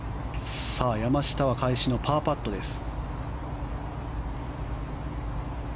山下は返しのパーパットです。